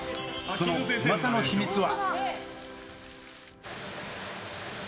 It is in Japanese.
そのうまさの秘密は。